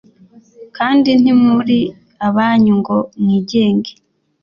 Kandi ntimuri abanyu ngo mwigenge;